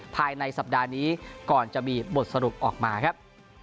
ภายในสัปดาห์นี้ก่อนจะมีบทสรุปออกมาครับ